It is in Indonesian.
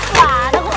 tuh ada gua